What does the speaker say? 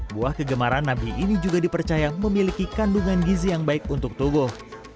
buah kegemaran nabi ini juga dipercaya memiliki kandungan gizi yang baik untuk tubuh